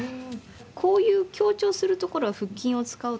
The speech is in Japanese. こういう強調するところは腹筋を使うといいんです。